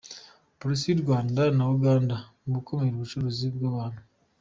Polisi y’u Rwanda na Uganda mu gukumira ubucuruzi bw’abantu